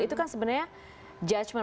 itu kan sebenarnya judgement